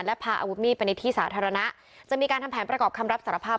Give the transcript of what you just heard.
และพาอาวุธมีดไปในที่สาธารณะจะมีการทำแผนประกอบคำรับสารภาพ